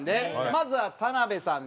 まずは田辺さんです。